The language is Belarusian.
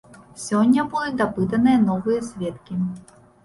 Сёння будуць дапытаныя новыя сведкі.